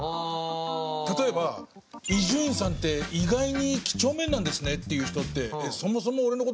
例えば「伊集院さんって意外に几帳面なんですね」って言う人って。